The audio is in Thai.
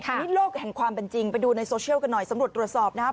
อันนี้โลกแห่งความเป็นจริงไปดูในโซเชียลกันหน่อยสำรวจตรวจสอบนะครับ